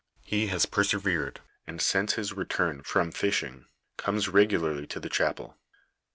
He has persevered, and since his return from fishing, comes regularly to chapel.